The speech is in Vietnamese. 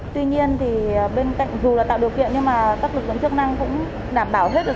tuy nhiên thì bên cạnh dù là tạo được tiện nhưng mà các lực lượng chức năng cũng đảm bảo hết sức